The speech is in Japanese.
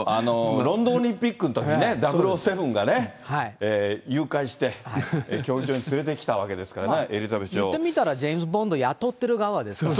ロンドンオリンピックのときね、００７がね、誘拐して、競技場に連れてきたわけですからね、エリザベス女王を。言ってみたらジェームズ・ボンド雇ってる側ですからね。